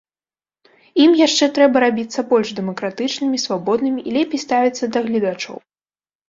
Ім яшчэ трэба рабіцца больш дэмакратычнымі, свабоднымі і лепей ставіцца да гледачоў.